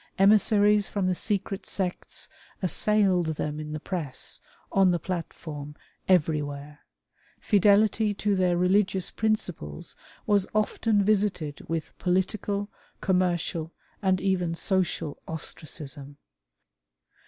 Emissaries from the secret sects assailed them in the press, on the platform, everywhere. Fidelity to their religious principles was often visited with political, commercial, and even social ostracism.